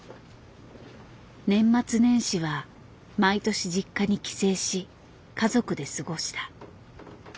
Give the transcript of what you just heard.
年末年始は毎年実家に帰省し家族で過ごした。